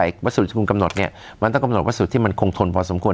วัสดุชุมกำหนดเนี่ยมันต้องกำหนดวัสดุที่มันคงทนพอสมควร